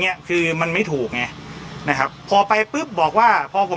เนี้ยคือมันไม่ถูกไงนะครับพอไปปุ๊บบอกว่าพอผม